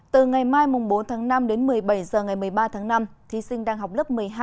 từ ngày mai bốn tháng năm đến một mươi bảy h ngày một mươi ba tháng năm thí sinh đang học lớp một mươi hai